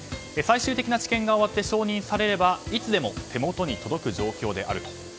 最終的な治験が終わって承認されればいつでも手元に届く状況であると。